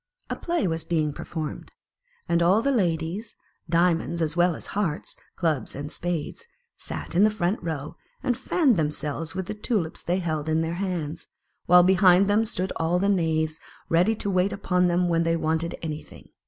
A play was being performed, and all the ladies, Diamonds as well as Hearts, Clubs and Spades, sat in the front row, and fanned themselves with the tulips they held in their hands, while behind them stood all the knaves ready to wait upon them when they wanted any thing.